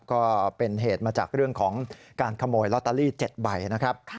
ก็เป็นเหตุมาจากเรื่องของการขโมยลอตเตอรี่๗ใบนะครับ